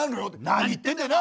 何言ってんだよな！